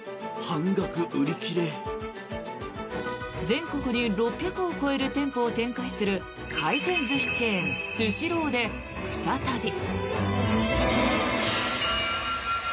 全国に６００を超える店舗を展開する回転寿司チェーンスシローで再び。